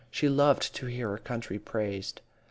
She loved to hear her country praised.